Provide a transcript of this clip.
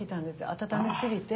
温めすぎて。